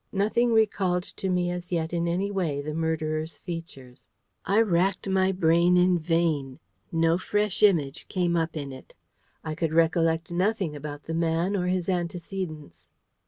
Nothing recalled to me as yet in any way the murderer's features. I racked my brain in vain; no fresh image came up in it. I could recollect nothing about the man or his antecedents.